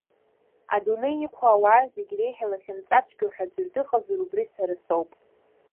Адунеи иқәу ауаа зегь реиҳа илахьынҵацәгьоу ҳәа аӡәыр дыҟазар убри сара соуп.